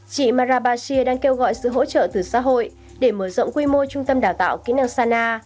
chị marabashir đang kêu gọi sự hỗ trợ từ xã hội để mở rộng quy mô trung tâm đào tạo kỹ năng sana